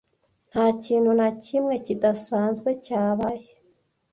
Nta kintu na kimwe kidasanzwe cyabaye.